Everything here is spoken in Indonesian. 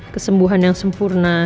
kesembuhan yang sempurna